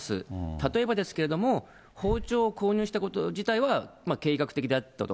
例えばですけれども、包丁を購入したこと自体は、計画的であったと。